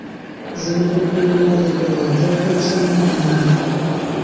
ځیني فکټورونه د پیاوړتیا پروسه ممکنوي.